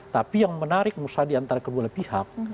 tapi yang menarik musnah di antara kedua pihak